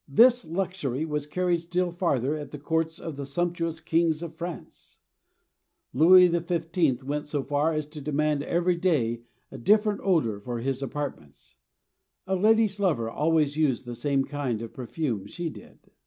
This luxury was carried still farther at the courts of the sumptuous kings of France; Louis XV. went so far as to demand every day a different odor for his apartments. A lady's lover always used the same kind of perfume she did.